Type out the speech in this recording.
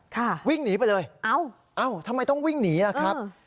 วิ่งหนีไปเลยเอ้าเอ้าทำไมต้องวิ่งหนีล่ะครับ